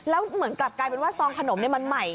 แล้วเหมือนกลับกลายเป็นว่าซองขนมมันใหม่